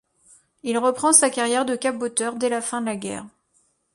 Il reprend sa carrière de caboteur dès la fin de la guerre.